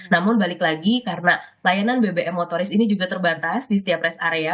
namun balik lagi karena layanan bbm motoris ini juga terbatas di setiap rest area